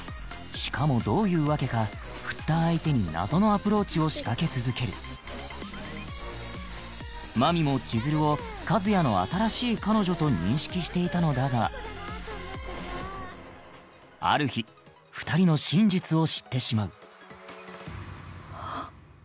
しかもどういうわけかフッた相手に謎のアプローチを仕掛け続ける麻美も千鶴を和也の新しい彼女と認識していたのだがある日２人の真実を知ってしまうはっ。